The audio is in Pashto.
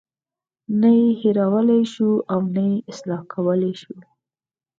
نه یې هیرولای شو او نه یې اصلاح کولی شو.